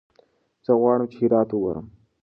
زه غواړم چې هرات وګورم.